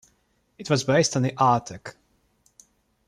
It was based on the Artek.